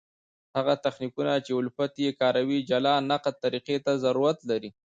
هغه تخنیکونه، چي الفت ئې کاروي جلا نقد طریقي ته ضرورت لري.